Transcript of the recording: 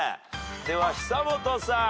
では久本さん。